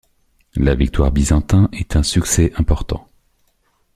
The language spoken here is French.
La victoire byzantin est un succès important.